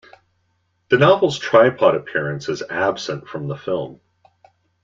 The novel's tripod appearance is absent from the film.